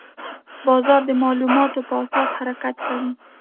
بازار د معلوماتو په اساس حرکت کوي.